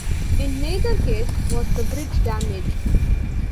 In neither case was the bridge damaged.